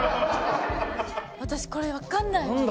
私これわかんないわ。